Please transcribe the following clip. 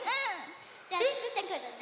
じゃあつくってくるね。